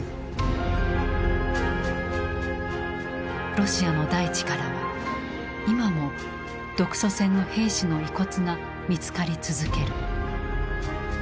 ロシアの大地からは今も独ソ戦の兵士の遺骨が見つかり続ける。